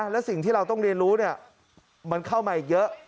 และสิ่งที่เราต้องเรียนรู้มันเข้ามาอีกเยอะ